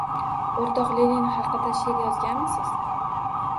— O’rtoq Lenin haqida she’r yozganmisiz?